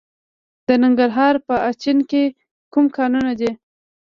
د ننګرهار په اچین کې کوم کانونه دي؟